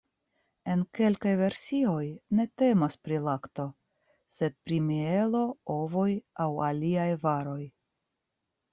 En kelkaj versioj ne temas pri lakto, sed pri mielo, ovoj aŭ aliaj varoj.